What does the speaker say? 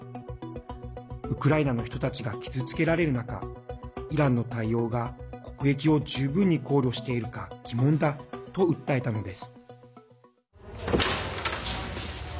ウクライナの人たちが傷つけられる中イランの対応が国益を十分に考慮しているか疑問だと訴えたのです。